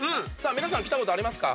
皆さん来たことありますか？